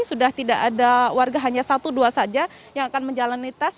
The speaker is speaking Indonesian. sudah tidak ada warga hanya satu dua saja yang akan menjalani tes